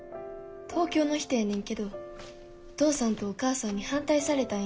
東京の人やねんけどお父さんとお母さんに反対されたんやって。